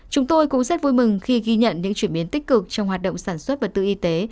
chúng tôi cũng rất vui mừng khi ghi nhận những chuyển biến tích cực trong hoạt động sản xuất vật tư y tế